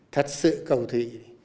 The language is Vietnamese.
thật sự cầu thị